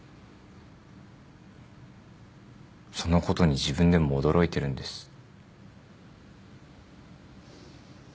そのことに自分でも驚いてるんです。